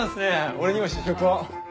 俺にも試食を。